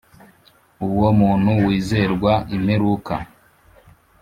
uwo muntu wizerwa imperuka.